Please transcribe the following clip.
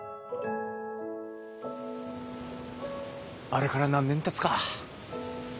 あれから何年たつか？